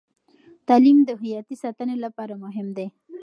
تعلیم د هویتي ساتنې لپاره مهم دی.